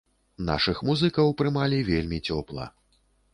Нашых музыкаў прымалі вельмі цёпла.